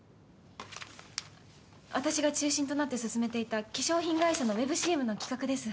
私が中心となって進めていた化粧品会社のウェブＣＭの企画です。